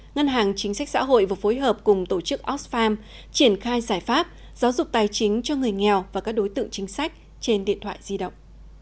ngân hàng chính sách xã hội vừa phối hợp cùng tổ chức oxfam triển khai giải pháp giáo dục tài chính cho người nghèo và các đối tượng chính sách trên điện thoại di động